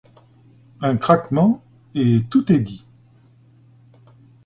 Un craquement, et tout est dit.